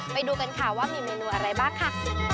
ไปดูกันค่ะว่ามีเมนูอะไรบ้างค่ะ